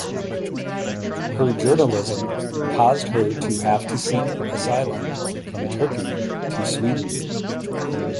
Her journalism caused her to have to seek asylum from Turkey to Sweden.